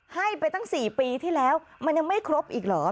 ให้ไปตั้ง๔ปีที่แล้วมันยังไม่ครบอีกเหรอ